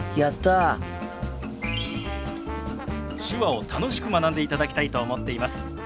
手話を楽しく学んでいただきたいと思っています。